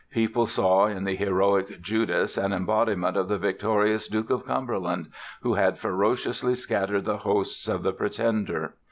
People saw in the heroic Judas an embodiment of the victorious Duke of Cumberland, who had ferociously scattered the hosts of the Pretender.